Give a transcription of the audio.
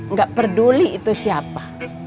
nggak peduli itu siapa